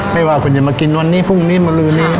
ไม่ว่าคุณจะมากินวันนี้พรุ่งนี้มาลื้อนี้